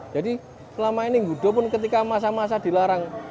jadi selama ini gudo pun ketika masa masa dilarang